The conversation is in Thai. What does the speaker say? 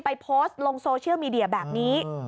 โพสต์ลงโซเชียลมีเดียแบบนี้